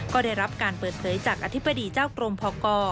ก็ได้รับการเปิดเผยจากอธิบดีเจ้ากรมพก